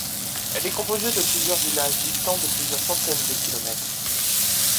Elle est composée de plusieurs villages distants de plusieurs centaines de kilomètres.